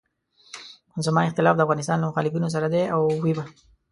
زما اختلاف د افغانستان له مخالفینو سره دی او وي به.